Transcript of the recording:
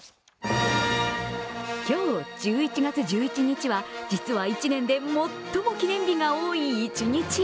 今日、１１月１１日は、実は１年で最も記念日が多い一日。